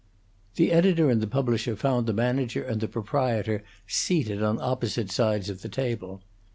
The editor and the publisher found the manager and the proprietor seated on opposite sides of the table.